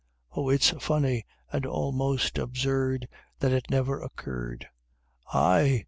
Oh, it's funny And almost absurd, That it never occurred! "Ay!